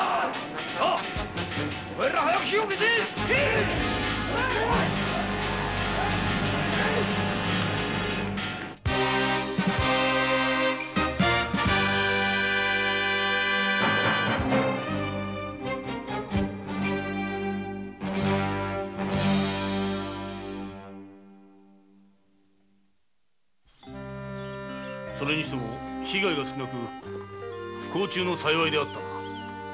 お前ら早く火を消せそれにしても被害が少なく不幸中の幸いであったな。